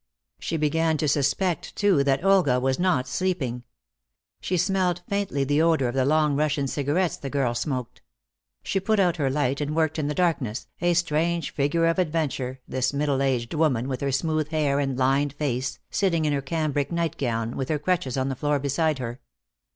She began to suspect, too, that Olga was not sleeping. She smelled faintly the odor of the long Russian cigarettes the girl smoked. She put out her light and worked in the darkness, a strange figure of adventure, this middle aged woman with her smooth hair and lined face, sitting in her cambric nightgown with her crutches on the floor beside her.